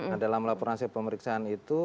nah dalam laporan hasil pemeriksaan itu